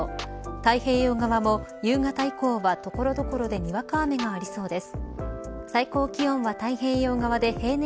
太平洋側も夕方以降は所々でにわか雨がありそうです。